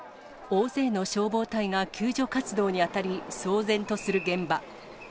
大勢の消防隊が救助活動に当たり、騒然とする現場。